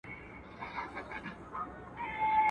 لکه د خره په غوږ کي چي ياسين وائې.